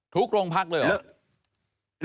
โรงพักเลยเหรอ